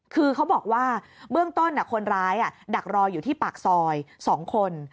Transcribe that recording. คือเขาบอกว่าเบื้องต้นคนร้ายดักรออยู่ที่ปากซอย๒คน